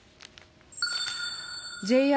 ＪＲ